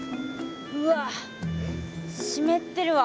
うわ湿ってるわ。